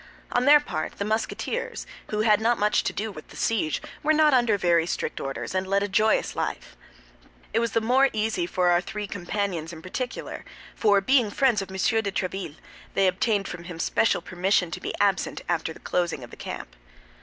On their part the Musketeers, who had not much to do with the siege, were not under very strict orders and led a joyous life. This was the more easy for our three companions in particular; for being friends of M. de Tréville, they obtained from him special permission to be absent after the closing of the camp.